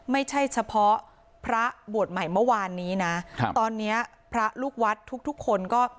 ไม่ใช่เฉพาะพระบวชใหม่เมื่อวานนี้นะครับตอนเนี้ยพระลูกวัดทุกทุกคนก็